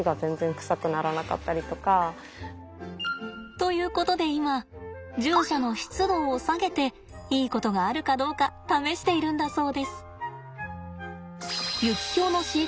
ということで今獣舎の湿度を下げていいことがあるかどうか試しているんだそうです。